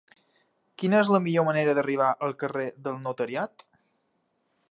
Quina és la millor manera d'arribar al carrer del Notariat?